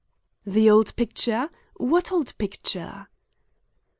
"The old picture? What old picture?"